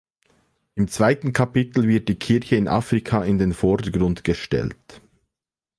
Im zweiten Kapitel wird die Kirche in Afrika in den Vordergrund gestellt.